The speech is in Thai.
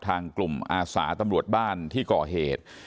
ทางกลุ่มอาสาตำรวจบ้านที่ก่อเหตุ